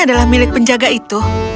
adalah milik penjaga itu